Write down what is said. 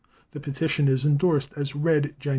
The petition is endorsed as "read Jan.